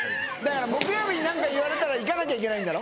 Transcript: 木曜日に何か言われたら行かなきゃいけないんだろ？